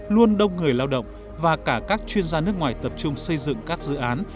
luôn đông người lao động và cả các chuyên gia nước ngoài tập trung xây dựng các dự án